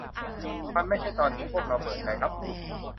มันไม่ใช่ตอนที่พวกเราเปิดใจรับคุณ